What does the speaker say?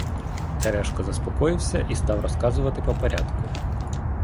Терешко заспокоївся і став розказувати по порядку.